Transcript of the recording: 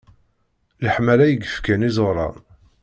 Leḥmala i yefkan iẓuran.